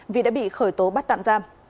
vì đã bị khởi tố bắt tạm giam